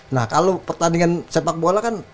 nah kalau pertandingan sepak bola kan